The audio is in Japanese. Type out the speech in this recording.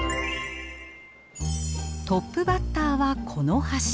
トップバッターはこの橋。